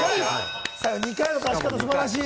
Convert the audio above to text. ２回の出し方、素晴らしい！